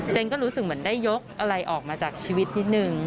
ก็รู้สึกเหมือนได้ยกอะไรออกมาจากชีวิตนิดนึง